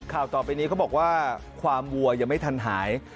ข่าวต่อไปนี้เขาบอกว่าความวัวยังไม่ทันหาย